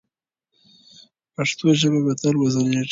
پښتو ژبه به تل وځلیږي.